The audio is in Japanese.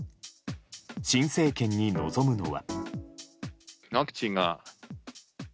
新政権に望むのは。